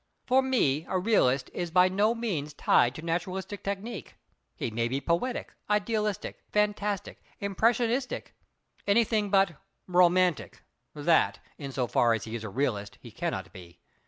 For me, a realist is by no means tied to naturalistic technique—he may be poetic, idealistic, fantastic, impressionistic, anything but—romantic; that, in so far as he is a realist, he cannot be.